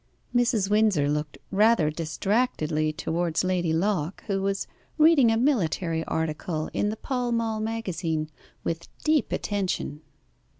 Mrs. Windsor looked rather distractedly towards Lady Locke, who was reading a military article in the Pall Mall Magazine with deep attention.